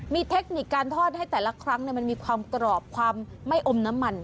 มีเทคนิคการทอดให้แต่ละครั้งมันมีความกรอบความไม่อมน้ำมัน